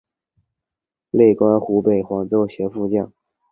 累官湖北黄州协副将。